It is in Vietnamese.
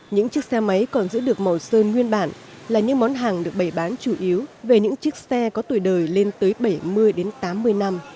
những chiếc xe máy còn giữ được màu sơn nguyên bản là những món hàng được bày bán chủ yếu về những chiếc xe có tuổi đời lên tới bảy mươi đến tám mươi năm